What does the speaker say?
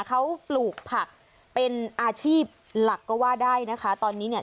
เขาปลูกผักเป็นอาชีพหลักก็ว่าได้นะคะตอนนี้เนี่ย